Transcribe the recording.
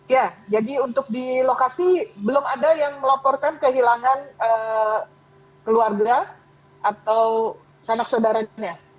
ya jadi untuk di lokasi belum ada yang melaporkan kehilangan keluarga atau sanak saudaranya